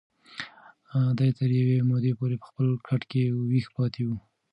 دی تر یوې مودې پورې په خپل کټ کې ویښ پاتې و.